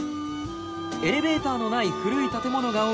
エレベーターのない古い建物が多い